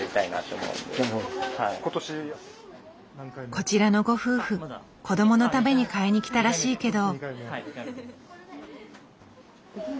こちらのご夫婦子どものために買いにきたらしいけど。